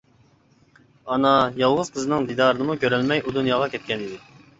ئانا يالغۇز قىزىنىڭ دىدارىنىمۇ كۆرەلمەي ئۇ دۇنياغا كەتكەنىدى.